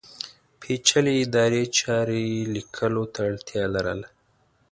پېچلې ادارې چارې لیکلو ته اړتیا لرله.